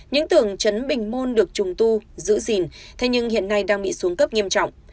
những tường chấn bình môn được trùng tu giữ gìn thế nhưng hiện nay đang bị xuống cấp nghiêm trọng